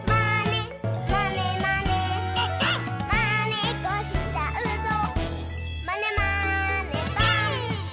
「まねっこしちゃうぞまねまねぽん！」